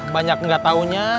banyak yang gak taunya